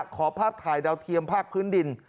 ขอภาพถ่ายดาวเทียมภาคพื้นดิน